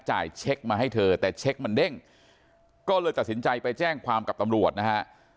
เช็คมาให้เธอแต่เช็คมันเด้งก็เลยตัดสินใจไปแจ้งความกับตำรวจนะฮะ